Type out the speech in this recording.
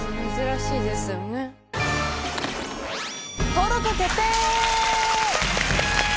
登録決定！